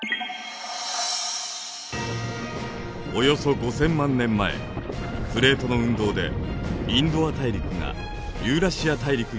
およそ５，０００万年前プレートの運動でインド亜大陸がユーラシア大陸に衝突。